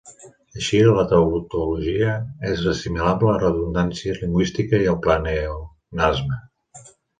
Així, la tautologia és assimilable a la redundància lingüística i al pleonasme.